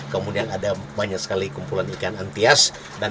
kemudian ada banyak sekali kumpulan ikan antias